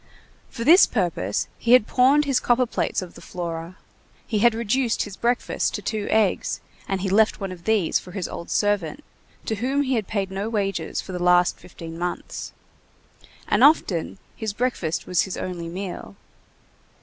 For this purpose he had pawned his copperplates of the Flora. He had reduced his breakfast to two eggs, and he left one of these for his old servant, to whom he had paid no wages for the last fifteen months. And often his breakfast was his only meal.